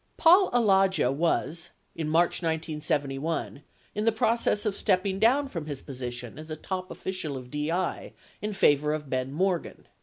Paul Alagia was, in March 1971, in the process of stepping down from his position as a top official of DI in favor of Ben Morgan.